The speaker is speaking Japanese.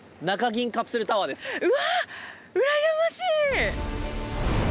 うわ羨ましい！